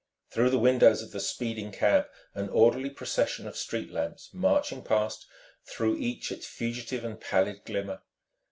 Through the windows of the speeding cab an orderly procession of street lamps, marching past, threw each its fugitive and pallid glimmer.